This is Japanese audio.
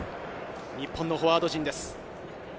日本のフォワード陣です。